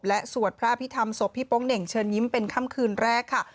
และสวดพระอภิษฐรรมศพพี่โป๊งเหน่งเชิญยิ้มเป็นค่ำคืนแรกค่ะ